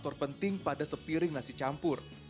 faktor penting pada sepiring nasi campur